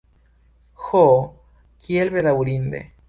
Ho, kiel bedaŭrinde!